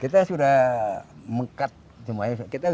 kita sudah mengkat semuanya